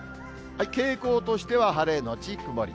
傾向としては晴れ後曇り。